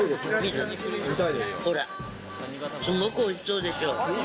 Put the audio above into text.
ほら、すごく美味しそうでしょ。